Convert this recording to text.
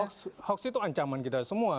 hoax itu ancaman kita semua